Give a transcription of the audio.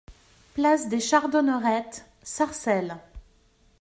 Place des Chardonnerrettes, Sarcelles